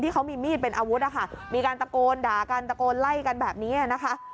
เขามีมีดเป็นอาวุธนะคะมีการตะโกนด่ากันตะโกนไล่กันแบบนี้นะคะ